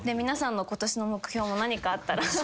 皆さんの今年の目標も何かあったら。